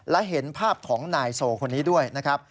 และเห็นภาพของนายโซคนนี้ด้วยนะครับ